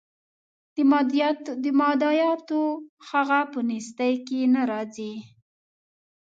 د مادیاتو هغه په نیستۍ کې نه راځي.